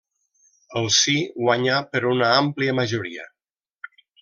El sí guanyà per una àmplia majoria.